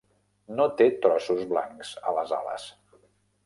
No té trossos blancs a les ales.